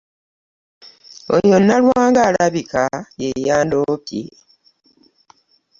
Oyo Nalwanga alabika ye yandoopye.